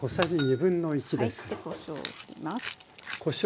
でこしょうを振ります。